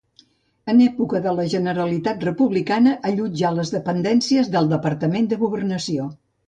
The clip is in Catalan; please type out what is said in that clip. En època de la Generalitat republicana allotjà les dependències del Departament de Governació.